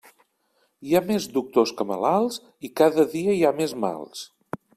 Hi ha més doctors que malalts i cada dia hi ha més mals.